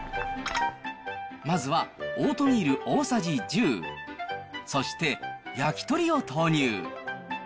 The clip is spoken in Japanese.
まずはオートミール大さじ１０、そして焼き鳥を投入。